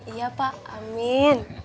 iya pak amin